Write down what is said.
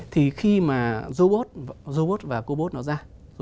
thì khi mà robot và cobot nó ra